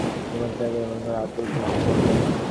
ইমাম সাহেব একমনে আয়াতুল কুরসি পড়লেন।